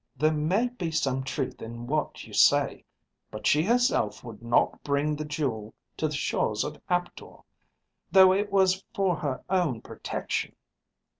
There may be some truth in what you say. But she herself would not bring the jewel to the shores of Aptor, though it was for her own protection.